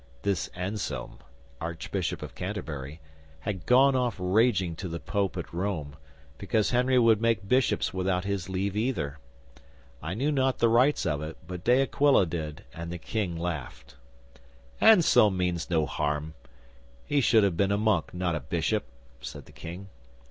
'This Anselm, Archbishop of Canterbury, had gone off raging to the Pope at Rome, because Henry would make bishops without his leave either. I knew not the rights of it, but De Aquila did, and the King laughed. '"Anselm means no harm. He should have been a monk, not a bishop," said the King.